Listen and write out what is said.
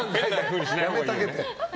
やめてあげて。